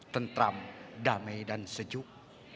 tentram damai dan sejuk